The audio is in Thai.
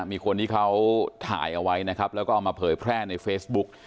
มีคนที่เขาถ่ายเอาไว้นะครับแล้วก็เอามาเผยแพร่ในเฟซบุ๊ก